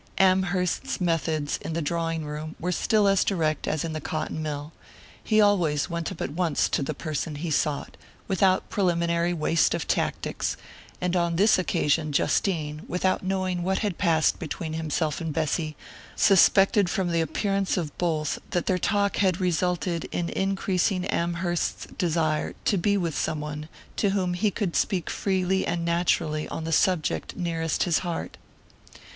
Amherst's methods in the drawing room were still as direct as in the cotton mill. He always went up at once to the person he sought, without preliminary waste of tactics; and on this occasion Justine, without knowing what had passed between himself and Bessy, suspected from the appearance of both that their talk had resulted in increasing Amherst's desire to be with some one to whom he could speak freely and naturally on the subject nearest his heart.